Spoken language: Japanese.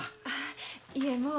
いえもう。